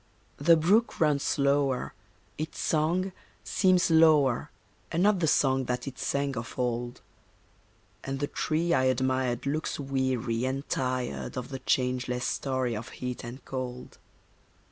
The brook runs slower—its song seems lower And not the song that it sang of old; And the tree I admired looks weary and tired Of the changeless story of heat and cold.